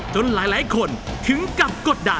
ช่วยฝังดินหรือกว่า